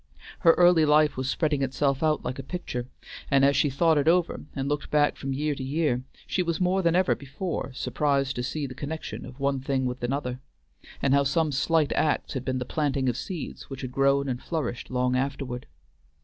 Her early life was spreading itself out like a picture, and as she thought it over and looked back from year to year, she was more than ever before surprised to see the connection of one thing with another, and how some slight acts had been the planting of seeds which had grown and flourished long afterward.